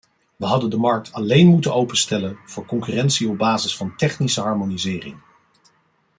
We hadden de markt alleen moeten openstellen voor concurrentie op basis van technische harmonisering.